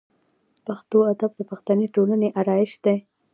پښتو ادب د پښتني ټولنې آرایش دی.